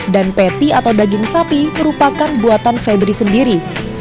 dan patty atau daging sapi merupakan buatan febri sendiri